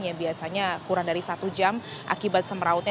yang biasanya kurang dari satu jam akibat semerautnya